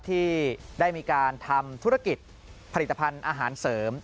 ที่ได้มีการทำธุรกิจผลิตภัณฑ์อาหารเสริม